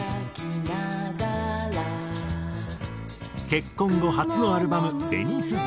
結婚後初のアルバム『紅雀』。